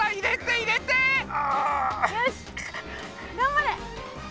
あ！よしがんばれ！